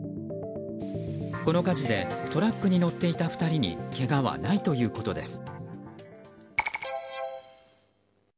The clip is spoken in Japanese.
この火事でトラックに乗っていた２人にけがはないということです。